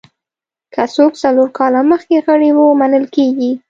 که څوک څلور کاله مخکې غړي وو منل کېږي.